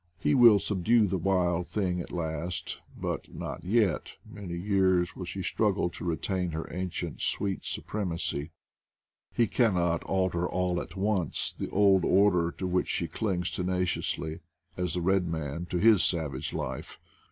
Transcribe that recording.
He will sub THE WAR WITH NATUEE 87 due the wild thing at last, but not yet ; many years will she struggle to retain her ancient sweet su premacy; he cannot alter all at once the old order to which she clings tenaciously, as the red man to his savage life.